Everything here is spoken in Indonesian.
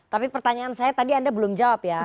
tapi pertanyaan saya tadi anda belum jawab ya